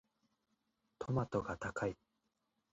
トマトが高い。